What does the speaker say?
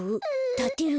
たてる？